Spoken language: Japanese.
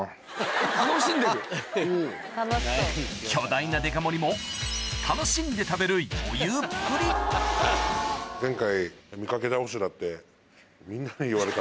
巨大なデカ盛りも楽しんで食べる余裕っぷり前回。